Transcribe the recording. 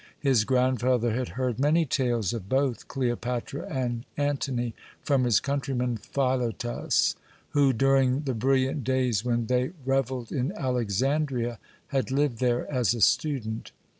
His grandfather had heard many tales of both Cleopatra and Antony from his countryman Philotas, who, during the brilliant days when they revelled in Alexandria, had lived there as a student.